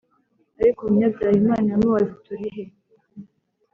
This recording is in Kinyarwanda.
Ariko umunyabyaha Imana iramubaza iti urihe‽